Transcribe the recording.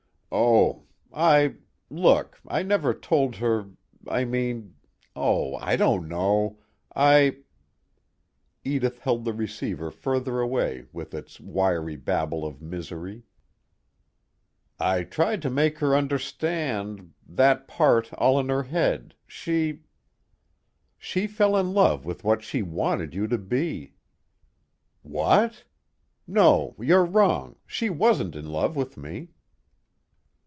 "Oh. I look, I never told her I mean oh, I don't know. I " Edith held the receiver further away with its wiry babble of misery: "I tried to make her understand that part, all in her head she " "She fell in love with what she wanted you to be." "What? No, you're wrong, she wasn't in love with me."